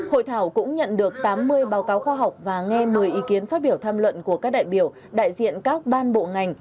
hội thảo cũng nhận được tám mươi báo cáo khoa học và nghe một mươi ý kiến phát biểu tham luận của các đại biểu đại diện các ban bộ ngành